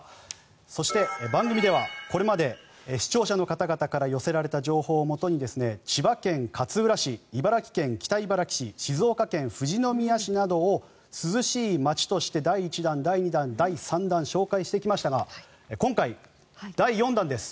そして番組ではこれまで視聴者の方々から寄せられた情報をもとに千葉県勝浦市茨城県北茨城市静岡県富士宮市などを涼しい街として第１弾、第２弾、第３弾紹介してきましたが今回、第４弾です。